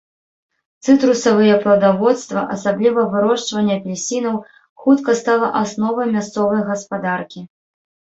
Цытрусавыя пладаводства, асабліва вырошчванне апельсінаў, хутка стала асновай мясцовай гаспадаркі.